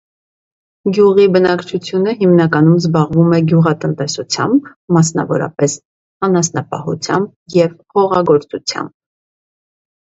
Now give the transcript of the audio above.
Գյուղի բնակչությունը հիմնականում զբաղվում է գյուղատնտեսությամբ, մասնավորապես՝ անասնապահությամբ և հողագործությամբ։